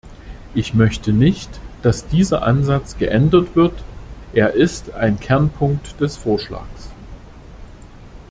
Ich möchte nicht, dass dieser Ansatz geändert wird er ist ein Kernpunkt des Vorschlags.